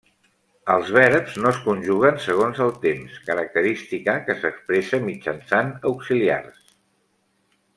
Els verbs no es conjuguen segons el temps, característica que s'expressa mitjançant auxiliars.